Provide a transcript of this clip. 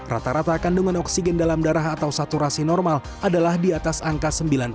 rata rata kandungan oksigen dalam darah atau saturasi normal adalah di atas angka sembilan puluh